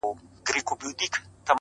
• کښتۍ وان یم له څپو سره چلېږم,